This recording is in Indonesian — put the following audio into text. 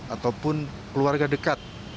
ataupun keluarga dekat